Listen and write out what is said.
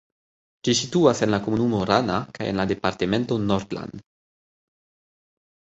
Ĝi situas en la komunumo Rana kaj en la departemento Nordland.